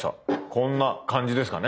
こんな感じですかね